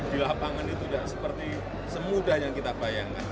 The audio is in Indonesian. di lapangan itu tidak seperti semudah yang kita bayangkan